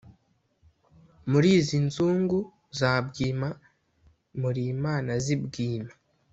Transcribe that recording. muri inzungu za bwima: muri imana z’i bwima